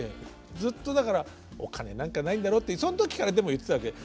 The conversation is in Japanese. ずっとだからお金なんかないんだろってそん時からでも言ってたわけ。